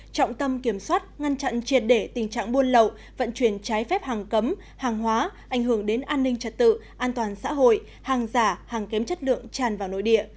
trọng tâm kiểm soát ngăn chặn triệt để tình trạng buôn lậu vận chuyển trái phép hàng cấm hàng hóa ảnh hưởng đến an ninh trật tự an toàn xã hội hàng giả hàng kém chất lượng tràn vào nội địa